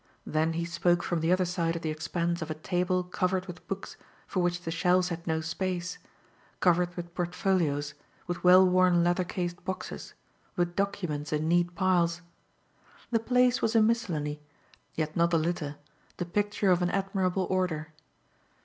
Then he spoke from the other side of the expanse of a table covered with books for which the shelves had no space covered with portfolios, with well worn leather cased boxes, with documents in neat piles. The place was a miscellany, yet not a litter, the picture of an admirable order.